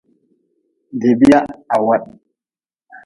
Debia haweh.